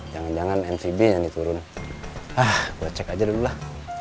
jangan jangan mpb yang diturunkan ah gue cek aja dulu lah